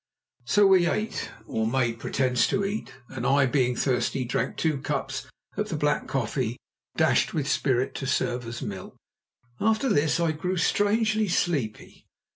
So we ate, or made pretence to eat, and I, being thirsty, drank two cups of the black coffee dashed with spirit to serve as milk. After this I grew strangely sleepy.